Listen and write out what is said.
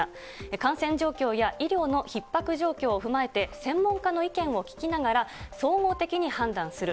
感染状況や医療のひっ迫状況を踏まえて、専門家の意見を聞きながら総合的に判断する。